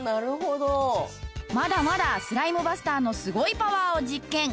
まだまだスライムバスターのすごいパワーを実験。